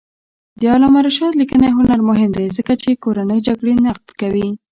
د علامه رشاد لیکنی هنر مهم دی ځکه چې کورنۍ جګړې نقد کوي.